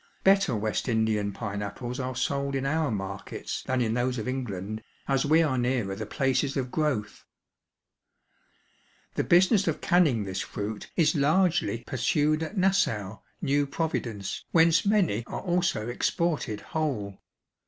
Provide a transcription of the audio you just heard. Better West Indian pineapples are sold in our markets than in those of England, as we are nearer the places of growth. The business of canning this fruit is largely pursued at Nassau, New Providence, whence many are also exported whole.